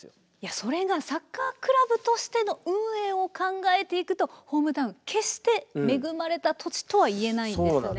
それがサッカークラブとしての運営を考えていくとホームタウン決して恵まれた土地とは言えないんですね。